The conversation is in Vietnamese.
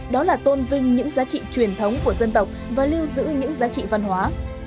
đó là tôn vinh những giá trị truyền thống của dân tộc và lưu giữ những giá trị văn hóa